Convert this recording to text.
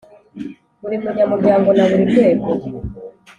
Buri munyamuryango na buri rwego